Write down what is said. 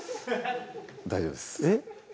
大丈夫ですえっ？